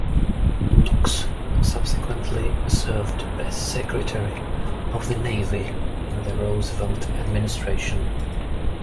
Knox subsequently served as Secretary of the Navy in the Roosevelt administration.